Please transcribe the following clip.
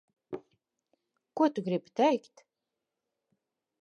Ko tu gribi teikt?